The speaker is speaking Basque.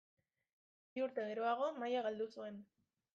Bi urte geroago maila galdu zuen.